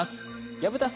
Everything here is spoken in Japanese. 薮田さん